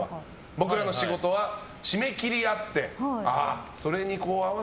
僕らの仕事は締め切りあって。